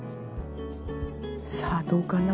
さあどうかな？